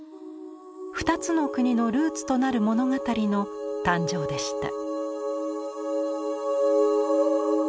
２つの国のルーツとなる物語の誕生でした。